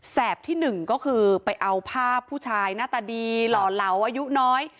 ที่หนึ่งก็คือไปเอาภาพผู้ชายหน้าตาดีหล่อเหลาอายุน้อย